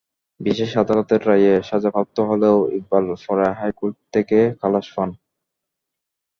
বিশেষ আদালতের রায়ে সাজাপ্রাপ্ত হলেও ইকবাল পরে হাইকোর্ট থেকে খালাস পান।